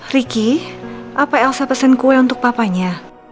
ricky apa elsa pesan kue untuk papanya